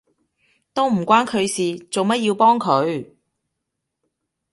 都唔關佢事，做乜要幫佢？